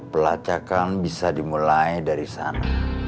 pelacakan bisa dimulai dari sana